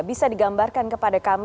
bisa digambarkan kepada kami